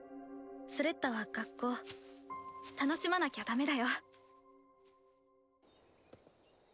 スレッタは学校楽しまなきゃダメだよ。